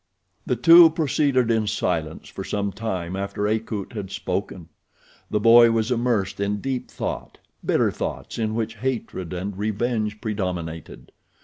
The two proceeded in silence for some time after Akut had spoken. The boy was immersed in deep thought—bitter thoughts in which hatred and revenge predominated.